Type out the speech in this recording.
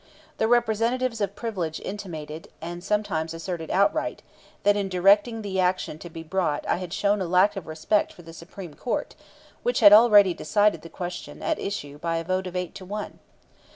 The representatives of privilege intimated, and sometimes asserted outright, that in directing the action to be brought I had shown a lack of respect for the Supreme Court, which had already decided the question at issue by a vote of eight to one.